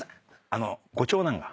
あのご長男が。